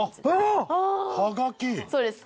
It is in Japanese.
そうです。